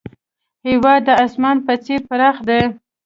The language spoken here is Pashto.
هېواد د اسمان په څېر پراخ دی.